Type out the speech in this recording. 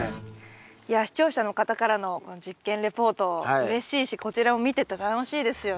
いや視聴者の方からの実験レポートうれしいしこちらも見てて楽しいですよね。